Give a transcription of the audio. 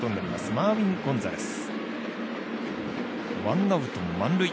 マーウィン・ゴンザレス。